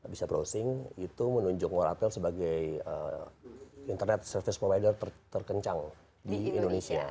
bisa browsing itu menunjuk moratel sebagai internet service provider terkencang di indonesia